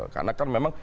karena kan memang